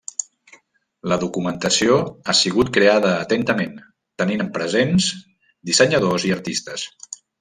La documentació ha sigut creada atentament, tenint presents dissenyadors i artistes.